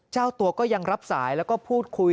เจ้าตัวก็ยังรับสายแล้วก็พูดคุย